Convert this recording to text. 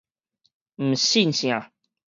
毋信聖